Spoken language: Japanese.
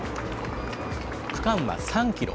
区間は３キロ。